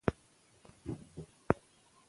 نصر لودي د حمید لودي زوی وو.